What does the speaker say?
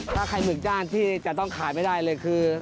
ถ้าใครหมึกย่านที่จะต้องขายไม่ได้เลยคือ